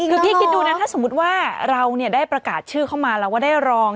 คือพี่คิดดูนะถ้าสมมุติว่าเราได้ประกาศชื่อเข้ามาแล้วว่าได้รอง